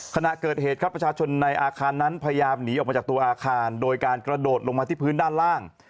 ขณะเกิดเหตุครับประชาชนในอาคารนั้นพยายามหนีออกมาจากตัวอาคารโดยการกระโดดลงมาที่พื้นด้านล่าง